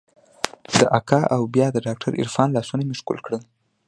د اکا او بيا د ډاکتر عرفان لاسونه مې ښکل کړل.